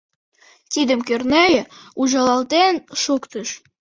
— тидым Кӧрнеи ужылалтен шуктыш.